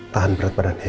tahan berat badannya ya